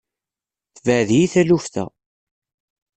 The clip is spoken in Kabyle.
Tebɛed-iyi taluft-a.